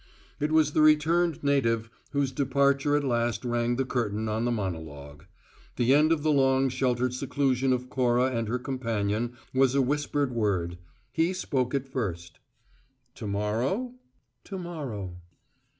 It was the returned native whose departure at last rang the curtain on the monologue. The end of the long sheltered seclusion of Cora and her companion was a whispered word. He spoke it first: "To morrow?" "To morrow."